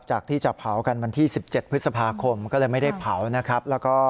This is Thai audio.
ที่จะเผากันวันที่๑๗พฤษภาคมก็เลยไม่ได้เผานะครับแล้วก็